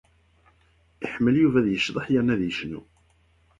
Iḥemmel Yuba ad yecḍeḥ yerna ad yecnu.